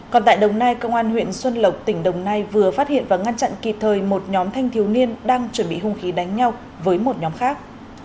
còn tại đồng nai công an huyện xuân lộc tỉnh đồng nai vừa phát hiện và ngăn chặn kịp thời một nhóm thanh thiếu niên đang chuẩn bị hung khí đánh nhau với một nhóm khác